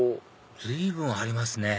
随分ありますね